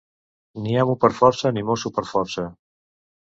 Ni amo per força, ni mosso per força.